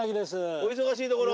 お忙しいところ。